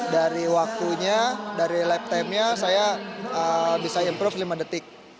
dari waktunya dari lab time nya saya bisa improve lima detik